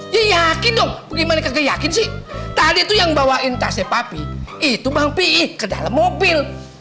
ya yakin dong gimana gak yakin sih tadi tuh yang bawain tasnya papi itu bang pi ke dalam mobil